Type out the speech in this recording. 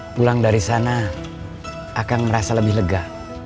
pulang dari sana akan merasa lebih lega